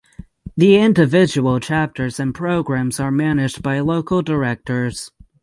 Individual chapters and programs are managed by local directors.